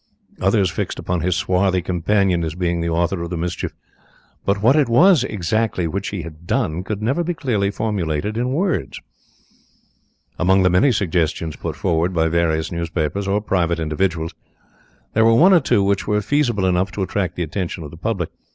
Others fixed upon his swarthy companion as being the author of the mischief, but what it was exactly which he had done could never be clearly formulated in words. Amongst the many suggestions put forward by various newspapers or private individuals, there were one or two which were feasible enough to attract the attention of the public.